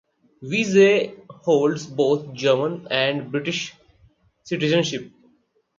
Wiese holds both German and British citizenship.